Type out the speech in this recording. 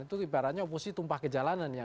itu ibaratnya oposisi tumpah ke jalanan ya